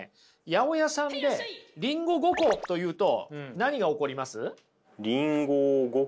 八百屋さんで「りんご５個」と言うと何が起こります？